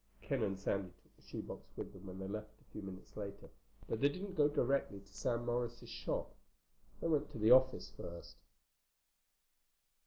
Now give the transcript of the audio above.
Ken and Sandy took the shoe box with them when they left a few minutes later, but they didn't go directly to Sam Morris's shop. They went to the office first.